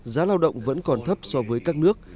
giá lao động vẫn còn thấp so với các nước